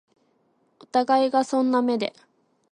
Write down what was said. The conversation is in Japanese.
お互いがそんな目で